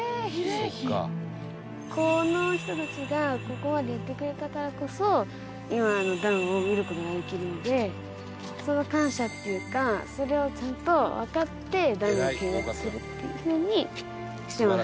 この人たちがここまでやってくれたからこそ今のダムを見る事ができるのでその感謝っていうかそれをちゃんとわかってダムを見学するっていうふうにしてます。